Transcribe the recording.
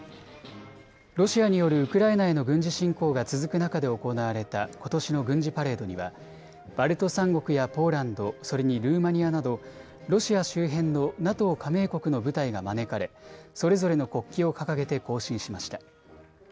ロシアによるウクライナへの軍事侵攻が続く中で行われたことしの軍事パレードにはバルト３国やポーランドそれにルーマニアなどロシア周辺のＮＡＴＯ加盟国の部隊が招かれ、それぞれの国旗を掲げて行進しました。